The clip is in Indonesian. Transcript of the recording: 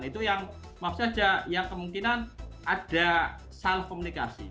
itu yang maksudnya yang kemungkinan ada self komunikasi